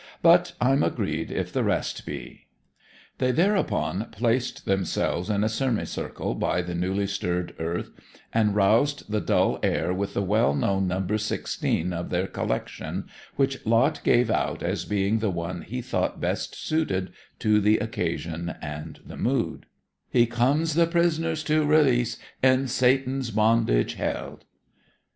'But I'm agreed if the rest be.' They thereupon placed themselves in a semicircle by the newly stirred earth, and roused the dull air with the well known Number Sixteen of their collection, which Lot gave out as being the one he thought best suited to the occasion and the mood He comes' the pri' soners to' re lease', In Sa' tan's bon' dage held'.